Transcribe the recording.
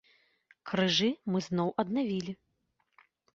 Крыжы мы зноў аднавілі.